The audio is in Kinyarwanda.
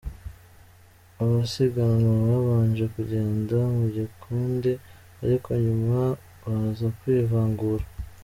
Abasiganwa babanje kugenda mu gikundi ariko nyuma baza kwivangura.